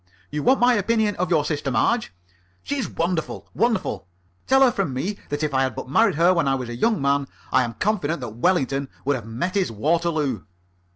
You want my opinion of your sister Marge? She is wonderful wonderful! Tell her from me that if I had but married her when I was a young man, I am confident that Wellington would have met his Waterloo."